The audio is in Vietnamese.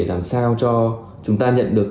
làm sao cho chúng ta nhận được